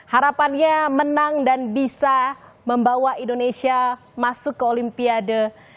harapannya menang dan bisa membawa indonesia masuk ke olimpiade